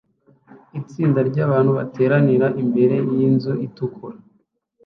Itsinda ryabantu bateranira imbere yinzu itukura